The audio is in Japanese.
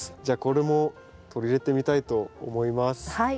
じゃあこれも取り入れてみたいと思います。